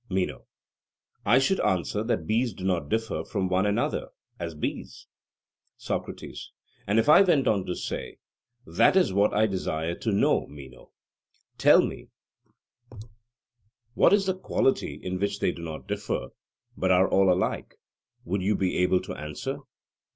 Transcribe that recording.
MENO: I should answer that bees do not differ from one another, as bees. SOCRATES: And if I went on to say: That is what I desire to know, Meno; tell me what is the quality in which they do not differ, but are all alike; would you be able to answer?